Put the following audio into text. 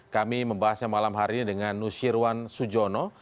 kami membahasnya malam hari ini dengan nusyirwan sujono